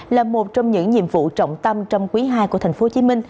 là một trong những nhiệm vụ trọng tâm trong quý ii của tp hcm